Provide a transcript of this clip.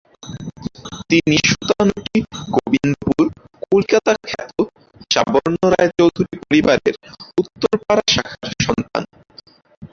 তিনি সুতানুটি-গোবিন্দপুর-কলিকাতা খ্যাত সাবর্ণ রায়চৌধুরী পরিবারের উত্তরপাড়া শাখার সন্তান।